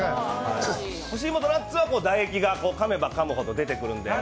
干し芋とナッツは唾液がかめばかむほど出てくるので。